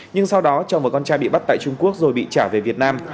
nhưng sau đó chồng một con trai bị bắt tại trung quốc rồi bị trả về việt nam